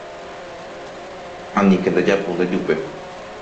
Aníke ndejapu ndejupe